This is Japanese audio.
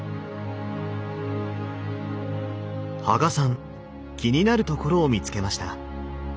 羽賀さん気になるところを見つけました。